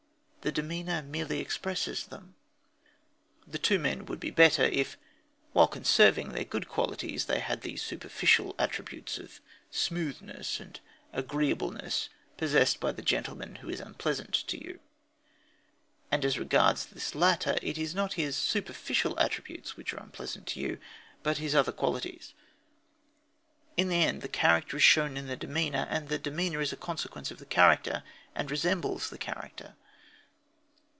The demeanour merely expresses them. The two men would be better if, while conserving their good qualities, they had the superficial attributes of smoothness and agreeableness possessed by the gentleman who is unpleasant to you. And as regards this latter, it is not his superficial attributes which are unpleasant to you; but his other qualities. In the end the character is shown in the demeanour; and the demeanour is a consequence of the character and resembles the character.